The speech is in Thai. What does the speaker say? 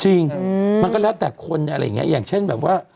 จริงมันก็แล้วแต่คนอะไรอย่างนี้อย่างเช่นแบบว่า